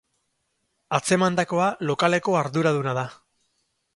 Atzemandakoa lokaleko arduraduna da.